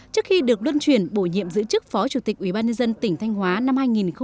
trước khi được đơn chuyển bổ nhiệm giữ chức phó chủ tịch ubnd tỉnh thanh hóa năm hai nghìn một mươi sáu